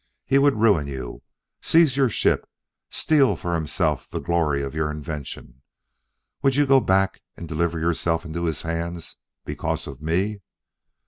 "He would ruin you; seize your ship; steal for himself the glory of your invention. Would you go back and deliver yourself into his hands because of me?"